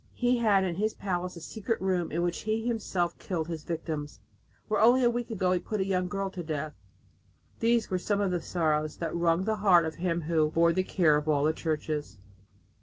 He had in his palace a secret room in which he himself killed his victims, where only a week ago he put a young girl to death!" These were some of the sorrows that wrung the heart of him "who bore the care of all the churches."